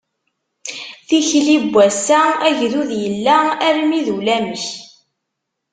Tikli n wassa, agdud yella armi d ulamek!